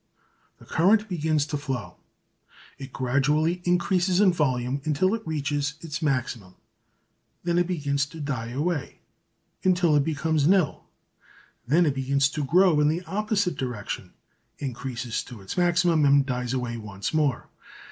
The current begins to flow: it gradually increases in volume until it reaches its maximum: then it begins to die away until it becomes nil: then it begins to grow in the opposite direction, increases to its maximum and dies away once more.